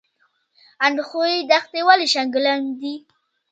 اندخوی دښتې ولې شګلن دي؟